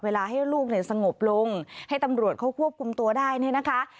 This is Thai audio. เวลาให้ลูกในสงบลงให้ตำรวจเข้าควบคุมตัวได้นี่นะคะ